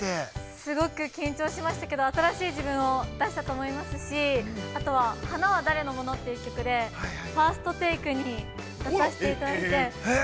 ◆すごく緊張しましたけれども、新しい自分を出したと思いますし、あとは、「花は誰のもの？」という曲で、「ＦＩＲＳＴＴＡＫＥ」に出させていただいて。